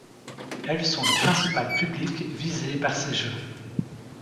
Elles sont le principal public visé par ces jeux.